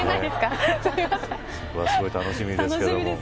それはすごい楽しみですけど。